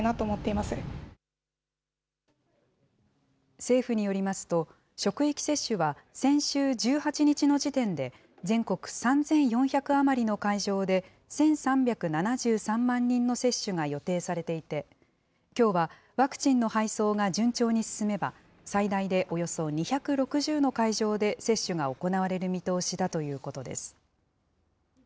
政府によりますと、職域接種は先週１８日の時点で、全国３４００余りの会場で１３７３万人の接種が予定されていて、きょうはワクチンの配送が順調に進めば、最大でおよそ２６０の会場で接種が行われる見通しだということです。